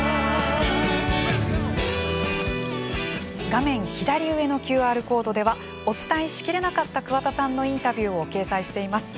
画面左上の ＱＲ コードではお伝えしきれなかった桑田さんのインタビューを掲載しています。